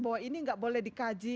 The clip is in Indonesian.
bahwa ini nggak boleh dikaji